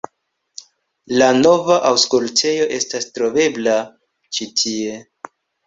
La nova Aŭskultejo estas trovebla ĉi tie.